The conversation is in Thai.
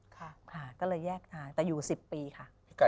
ก็เลยแยกทางแต่อยู่สิบปีค่ะ